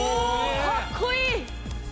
かっこいい！